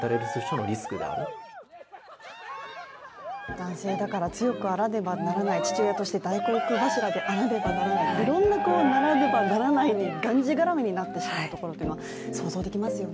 男性だから強くあらねばならない父親として大黒柱であらねばならないいろんな、ならねばならないにがんじがらめになってしまうということは想像できますよね。